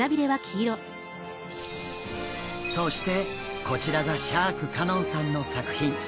そしてこちらがシャーク香音さんの作品。